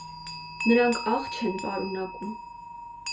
Նրանք աղ չեն պարունակում։